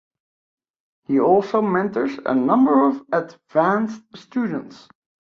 He also mentors a number of advanced students.